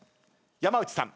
山内さん